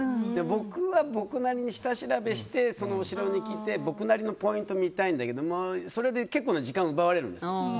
僕は僕なりに下調べしてそのお城に来て、僕なりのポイントを見たいんだけどそれで結構な時間を奪われるんです。